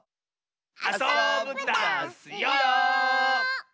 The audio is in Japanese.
あそぶダスよ！